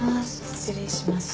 失礼します。